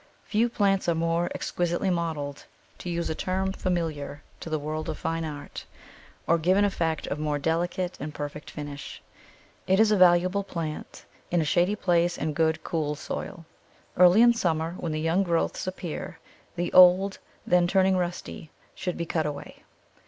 Few plants are more exquisitely modelled, to use a term familiar to the world of fine art, or give an effect of more delicate and perfect finish. It is a valuable plant in a shady place in good, cool soil. Early in summer, when the young growths appear, the old, then turning rusty, should be cut away.